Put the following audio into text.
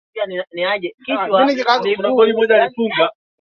Unapokuwa katika kampuni jaribu kufuata ishara zako mkono wazi au